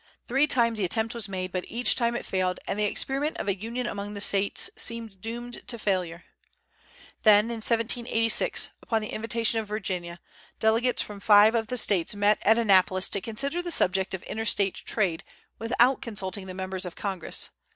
Three times the attempt was made, but each time it failed, and the experiment of a union among the States seemed doomed to failure. Then, in 1786, upon the invitation of Virginia, delegates from five of the States met at Annapolis to consider the subject of interstate trade without consulting the members of Congress.